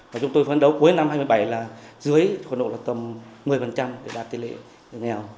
và chúng tôi phấn đấu cuối năm hai nghìn một mươi bảy là dưới hà nội là tầm một mươi để đạt tỷ lệ nghèo